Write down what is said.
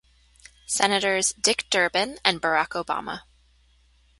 Senators, Dick Durbin and Barack Obama.